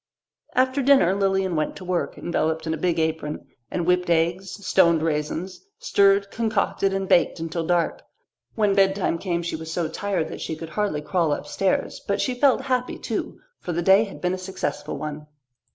After dinner Lilian went to work, enveloped in a big apron, and whipped eggs, stoned raisins, stirred, concocted, and baked until dark. When bedtime came she was so tired that she could hardly crawl upstairs; but she felt happy too, for the day had been a successful one.